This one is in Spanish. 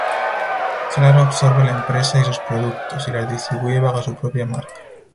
Claro absorbe la empresa y sus productos, y las distribuye bajo su propia marca.